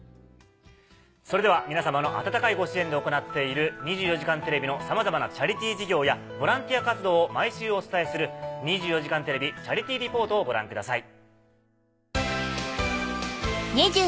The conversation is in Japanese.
それでは皆さまの温かいご支援で行っている『２４時間テレビ』のさまざまなチャリティー事業やボランティア活動を毎週お伝えする。をご覧ください。